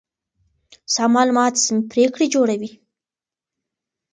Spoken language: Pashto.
سم معلومات سمې پرېکړې جوړوي.